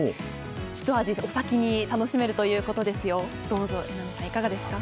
ひと足お先に楽しめるということですよ。